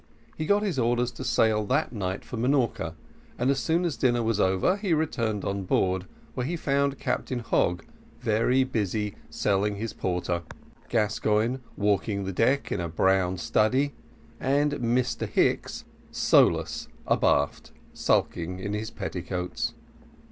He got his orders to sail that night for Minorca, and as soon as dinner was over he returned on board, where he found Captain Hogg very busy selling his porter Gascoigne walking the deck in a brown study and Mr Hicks solus abaft, sulking in his petticoats.